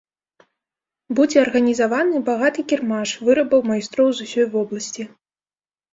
Будзе арганізаваны багаты кірмаш вырабаў майстроў з усёй вобласці.